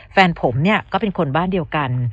แฟนผมเนี่ยก็เป็นคนบ้านเดียวกัน